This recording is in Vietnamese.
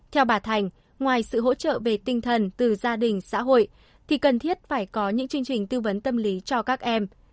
theo bà thành ngoài sự hỗ trợ về tinh thần từ gia đình xã hội thì cần thiết phải có những chương trình tư vấn tâm lý cho các em